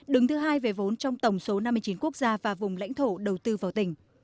đứng thứ hai về vốn trong tổng số năm mươi chín quốc gia và vùng lãnh thổ đầu tư vào tỉnh